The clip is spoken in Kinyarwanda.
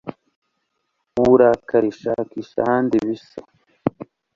uburakari, shakisha ahandi bisa